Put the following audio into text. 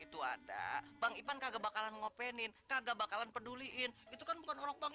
itu ada bang ipan kagak bakalan ngopenin kagak bakalan peduliin itu kan bukan orang